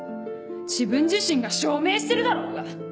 自分自身が証明してるだろうが！